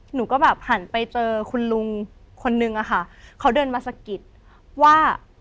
หนูก็แบบหันไปเจอคุณลุงคนนึงอะค่ะเขาเดินมาสะกิดว่า